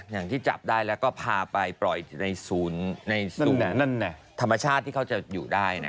อย่างที่จับได้แล้วก็พาไปปล่อยในศูนย์ธรรมชาติที่เขาจะอยู่ได้นะ